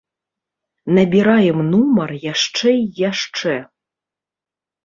Набіраем нумар яшчэ і яшчэ.